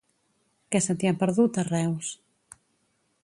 Què se t'hi ha perdut, a Reus?